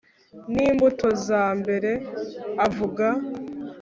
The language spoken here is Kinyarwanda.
Nimbuto za mbere avuga